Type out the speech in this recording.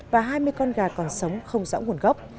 và hai mươi con gà còn sống không rõ nguồn gốc